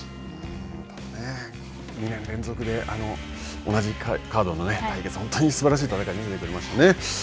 ２年連続で同じカードの対決、本当にすばらしい戦いを見せてくれましたね。